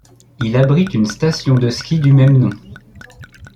Il abrite une station de ski du même nom.